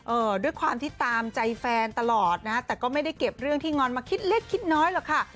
ด้วยความที่ตามใจแฟนตลอดนะฮะแต่ก็ไม่ได้เก็บเรื่องที่งอนมาคิดเล็กคิดน้อยหรอกค่ะ